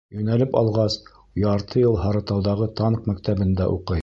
Йүнәлеп алғас, ярты йыл Һарытауҙағы танк мәктәбендә уҡый.